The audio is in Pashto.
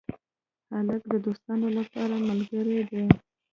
هلک د دوستانو لپاره ملګری دی.